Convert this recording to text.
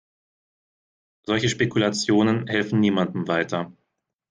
Solche Spekulationen helfen niemandem weiter.